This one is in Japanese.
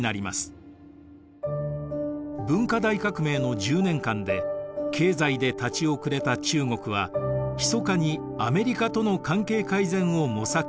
文化大革命の１０年間で経済で立ち遅れた中国はひそかにアメリカとの関係改善を模索し始めていました。